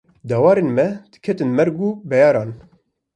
Dewarên me diketin mêrg û beyaran